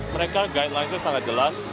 mereka guidelines nya sangat jelas